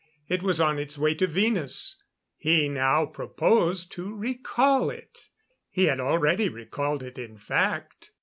It was on its way to Venus. He now proposed to recall it. He had already recalled it, in fact.